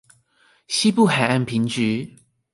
西部海岸平直